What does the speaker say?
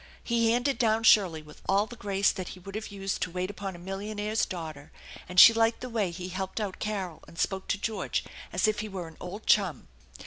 He handed down Shirley with all the grace that he would have used to wait upon a millionaire's daughter, and she liked the way he helped out Carol and spoke to George as if he were an old chum.